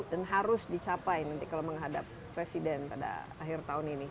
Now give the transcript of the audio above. dan harus dicapai nanti kalau menghadap presiden pada akhir tahun ini